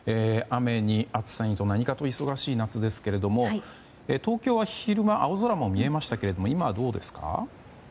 雨に暑さにと何かと忙しい夏ですが東京は、昼間青空も見えましたけれども今はどうですか？